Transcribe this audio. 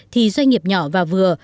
thì doanh nghiệp nhỏ và vừa